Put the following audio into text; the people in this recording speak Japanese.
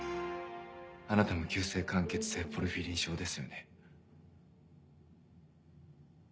あなたも急性間欠性ポルフィリン症ですよね。